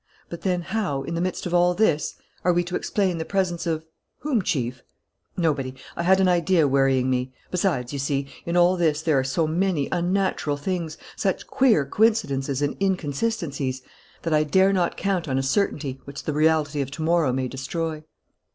But then how, in the midst of all this, are we to explain the presence of " "Whom, Chief?" "Nobody. I had an idea worrying me. Besides, you see, in all this there are so many unnatural things, such queer coincidences and inconsistencies, that I dare not count on a certainty which the reality of to morrow may destroy."